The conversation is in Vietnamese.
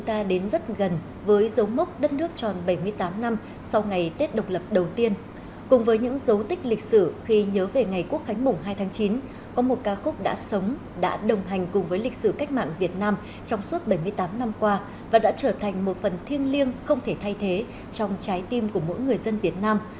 trong trái tim của mỗi người dân việt nam